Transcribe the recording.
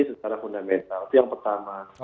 secara fundamental itu yang pertama